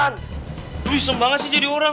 aten duri semangat sih jadi orang